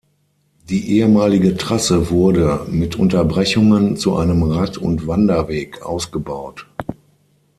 Die ehemalige Trasse wurde, mit Unterbrechungen, zu einem Rad- und Wanderweg ausgebaut.